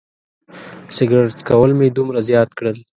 سګرټ څکول مې دومره زیات کړل.